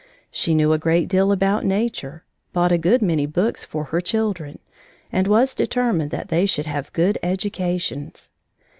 She knew a great deal about nature, bought a good many books for her children, and was determined that they should have good educations.